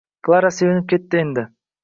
Klara sevinib ketdi endi.